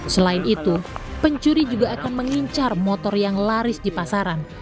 selain itu pencuri juga akan mengincar motor yang laris di pasaran